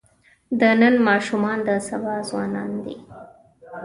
د نن ماشومان د سبا ځوانان دي.